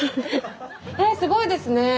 えすごいですね！